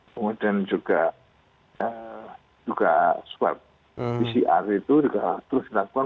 kemudian juga swab pcr itu juga terus dilakukan